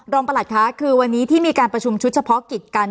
ประหลัดค่ะคือวันนี้ที่มีการประชุมชุดเฉพาะกิจกัน